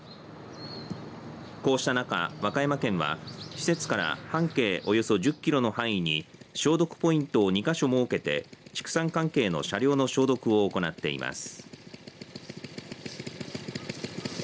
こうした中、和歌山県は施設から半径およそ１０キロの範囲に消毒ポイントを２か所設けて畜産関係の車両の消毒を行っています。